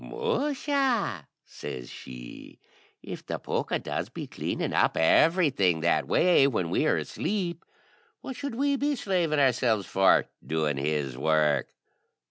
"Musha!" says she, "if the pooka does be cleaning up everything that way when we are asleep, what should we be slaving ourselves for doing his work?"